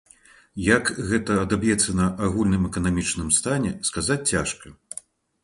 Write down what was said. Як гэта адаб'ецца на агульным эканамічным стане, сказаць цяжка.